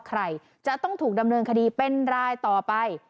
ใครจะต้องถูกดำเนินคดีเป็นรายต่อไป